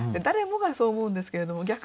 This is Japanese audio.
誰もがそう思うんですけれども。